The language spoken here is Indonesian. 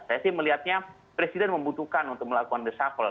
saya sih melihatnya presiden membutuhkan untuk melakukan reshuffle